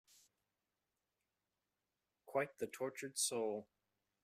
Quite the tortured soul.